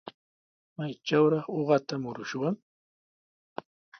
¿Maytrawraq uqata murushwan?